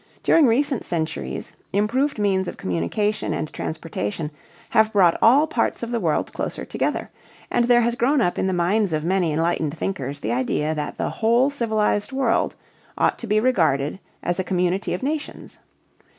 During recent centuries improved means of communication and transportation have brought all parts of the world closer together, and there has grown up in the minds of many enlightened thinkers the idea that the whole civilized world ought to be regarded as a community of nations.